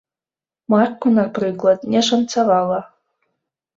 Марку, напрыклад, не шанцавала.